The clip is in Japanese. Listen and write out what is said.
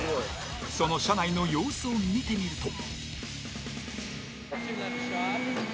その車内の様子を見てみると。